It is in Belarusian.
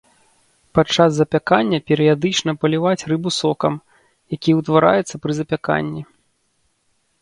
Падчас запякання перыядычна паліваць рыбу сокам, які утвараецца пры запяканні.